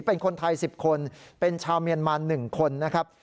เป็นคนไทย๑๐คนเป็นชาวเมียนมา๑คนนะครับ